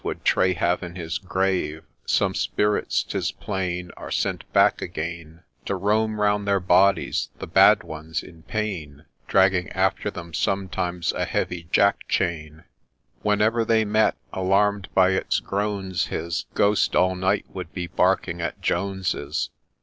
Would Tray have in his grave ; Since Spirits, 'tis plain, Are sent back again, To roam round their bodies, — the bad ones in pain, — Dragging after them sometimes a heavy jack chain ; Whenever they met; alarm'd by its groans, his Ghost all night long would be barking at Jones's.